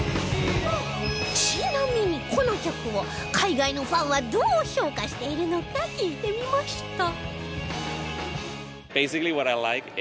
ちなみにこの曲を海外のファンはどう評価しているのか聞いてみました